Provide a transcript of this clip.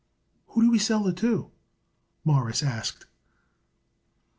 "Who do we sell it to?" Morris asked.